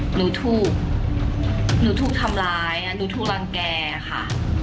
หนูถูกทำร้ายหนูถูกรังแก่ค่ะ